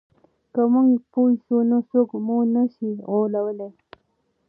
که موږ پوه سو نو څوک مو نه سي غولولای.